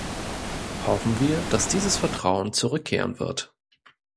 Hoffen wir, dass dieses Vertrauen zurückkehren wird.